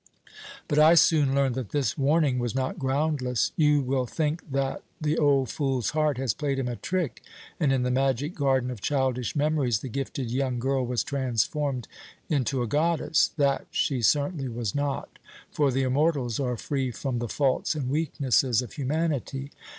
"But I soon learned that this warning was not groundless. You will think that the old fool's heart has played him a trick, and in the magic garden of childish memories the gifted young girl was transformed into a goddess. That she certainly was not; for the immortals are free from the faults and weaknesses of humanity."